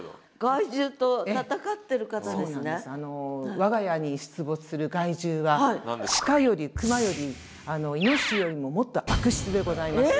我が家に出没する害獣はシカよりクマよりイノシシよりももっと悪質でございまして。